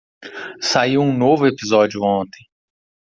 Saiu um novo episódio ontem.